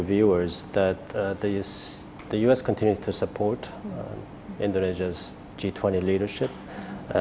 bahwa as terus mendukung pemerintah g dua puluh indonesia